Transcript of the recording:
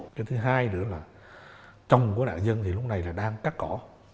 cái thứ hai nữa là trong của đại dân thì lúc này là đang cắt cỏ